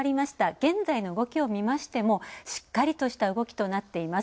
現在の動きを見ましてもしっかりとした動きとなっています。